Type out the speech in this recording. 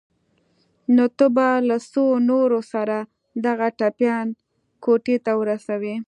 نو ته به له څو نورو سره دغه ټپيان کوټې ته ورسوې.